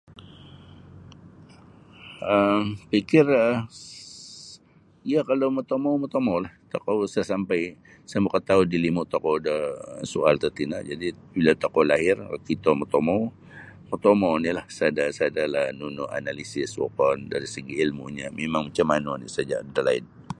um pikir um iyo kalau motomou motomoulah tokou sa sampai sa makataud ilimu' tokou da soal tatino jadi' bila tokou lahir makito motomou motomou oni'lah sada' sada'lah nunu analisis wokon dari segi' ilmu'nyo mimang macam manu oni' sejak dalaid.